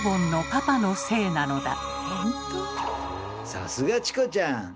さすがチコちゃん！